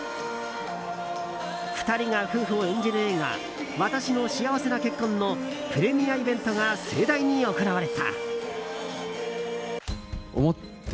２人が夫婦を演じる映画「わたしの幸せな結婚」のプレミアイベントが盛大に行われた。